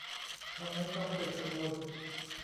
ทำให้ต้องเป็นกังวล